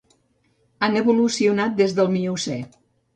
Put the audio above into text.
Han evolucionat des del Miocè.